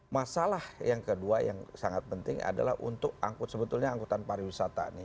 masalah yang kedua yang sangat penting adalah untuk angkut sebetulnya angkutan pariwisata nih